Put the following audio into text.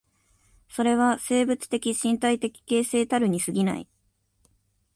それは生物的身体的形成たるに過ぎない。